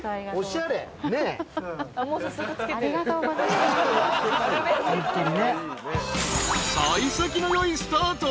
［幸先のよいスタート］